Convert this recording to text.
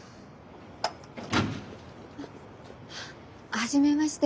初めまして。